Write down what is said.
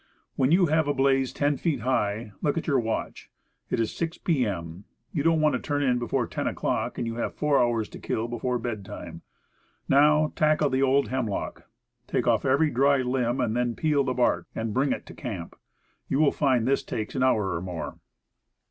When you have a blaze ten feet high, look at your watch. It is 6 P. M. You don't want to turn in before 10 o'clock, and you have four hours to kill before bed time. Now, tackle the old hemlock; take off every dry limb, and then peel the bark and bring it to camp. You will find this takes an hour or more.